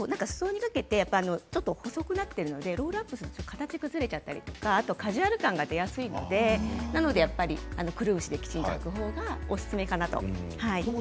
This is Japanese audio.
裾にかけて細くなっているのでロールアップすると形が崩れちゃったりカジュアル感が出やすいのでくるぶしで、きちんとはくのがおすすめかなと。